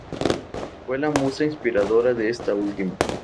Fue la musa inspiradora de esta última.